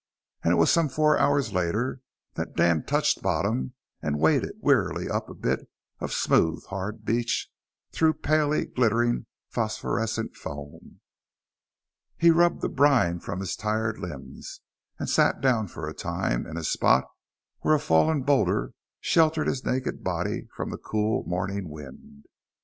And it was some four hours later that Dan touched bottom and waded wearily up a bit of smooth hard beach, through palely glittering phosphorescent foam. He rubbed the brine from his tired limbs, and sat down for a time, in a spot where a fallen boulder sheltered his naked body from the cool morning wind.